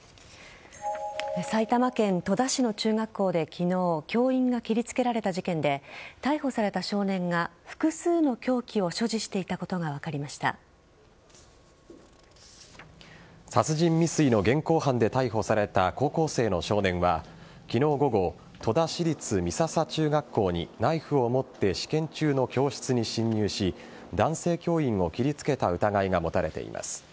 埼玉県戸田市の中学校で昨日教員が切りつけられた事件で逮捕された少年が複数の凶器を所持していたことが殺人未遂の現行犯で逮捕された高校生の少年は昨日午後戸田市立美笹中学校にナイフを持って試験中の教室に侵入し男性教員を切りつけた疑いが持たれています。